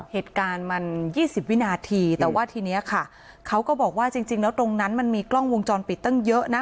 เหตุการณ์มัน๒๐วินาทีแต่ว่าทีนี้ค่ะเขาก็บอกว่าจริงแล้วตรงนั้นมันมีกล้องวงจรปิดตั้งเยอะนะ